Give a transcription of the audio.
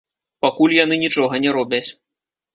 Пакуль яны нічога не робяць.